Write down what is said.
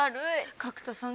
角田さん